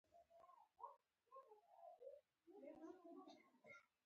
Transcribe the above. له خودبینۍ او ځانولۍ تېر شوي نه وي.